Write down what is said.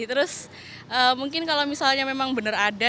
terus mungkin kalau misalnya memang benar ada